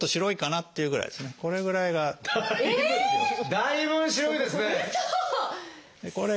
だいぶん白いですね！